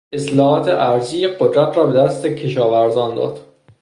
اصلاحات ارضی قدرت را به دست کشاورزان داد.